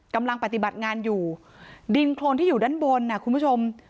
กำลังปฏิบัติงานอยู่ดินโครนที่อยู่ด้านบนคุณผู้ชม